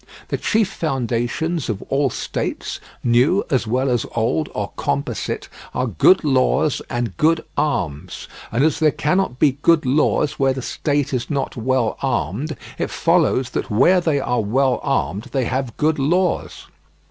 The chief foundations of all states, new as well as old or composite, are good laws and good arms; and as there cannot be good laws where the state is not well armed, it follows that where they are well armed they have good laws.